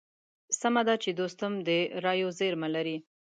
سمه ده چې دوستم د رايو زېرمه لري.